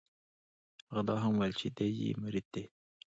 هغه دا هم وویل چې دی یې مرید دی.